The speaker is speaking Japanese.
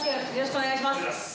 お願いします。